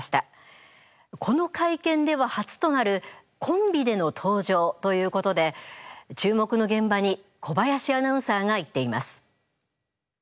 この会見では初となるコンビでの登場ということで注目の現場に小林アナウンサーが行っています。